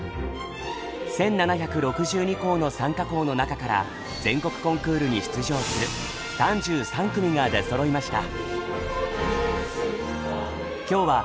１，７６２校の参加校の中から全国コンクールに出場する３３組が出そろいました。